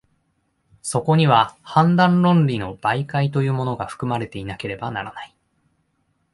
そこには判断論理の媒介というものが、含まれていなければならない。